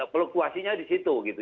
peluktuasinya disitu gitu